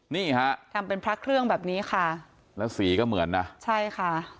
นี่ฮะทำเป็นพระเครื่องแบบนี้ค่ะแล้วสีก็เหมือนนะใช่ค่ะ